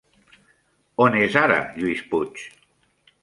On és ara Lluís Puig?